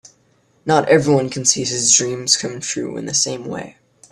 Not everyone can see his dreams come true in the same way.